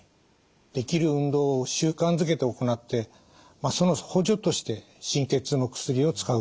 できる運動を習慣づけて行ってその補助として神経痛の薬を使うということがよいと思います。